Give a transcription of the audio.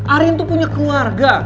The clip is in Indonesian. arin tuh punya keluarga